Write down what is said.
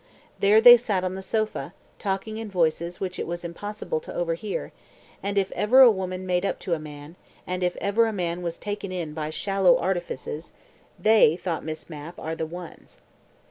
There they sat on the sofa, talking in voices which it was impossible to overhear, and if ever a woman made up to a man, and if ever a man was taken in by shallow artifices, "they", thought Miss Mapp, "are the ones".